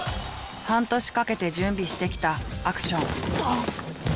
半年かけて準備してきたアクション。